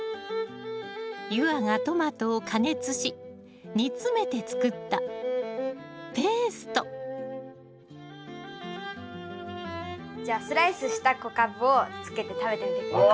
夕空がトマトを加熱し煮詰めて作ったじゃあスライスした小カブをつけて食べてみて下さい。